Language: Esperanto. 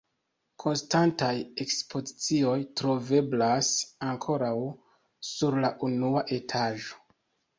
Konstantaj ekspozicioj troveblas ankaŭ sur la unua etaĝo.